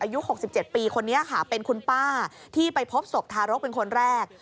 อายุ๖๗ปีคนนี้ค่ะเป็นคุณป้าที่ไปพบศพทารกเป็นคนแรก